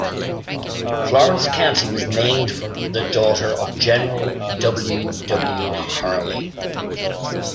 Florence County was named for the daughter of General W. W. Harllee.